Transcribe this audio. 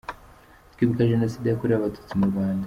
Twibuka Jenoside yakorewe Abatutsi mu Rwanda.